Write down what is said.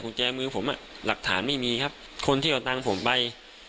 คุณแจมือผมอ่ะหลักฐานไม่มีครับคนที่เอาตังค์ผมไป